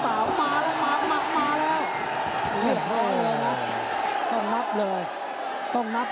ตามต่อยกที่สองครับ